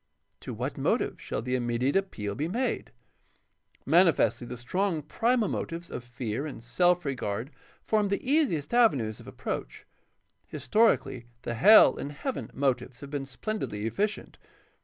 To what motive shall the immediate appeal be made ? Manifestly the strong primal motives of fear and self regard form the easiest avenues of approach. His torically the hell and heaven motives have been splendidly efficient.